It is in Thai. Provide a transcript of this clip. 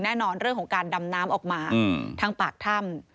เรื่องของการดำน้ำออกมาทางปากถ้ำ